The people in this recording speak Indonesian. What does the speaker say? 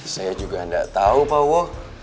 saya juga tidak tahu pak wo